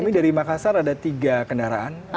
kami dari makassar ada tiga kendaraan